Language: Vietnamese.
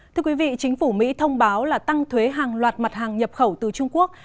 thưa quý vị chính phủ mỹ thông báo là tăng thuế hàng loạt mặt hàng nhập khẩu từ trung quốc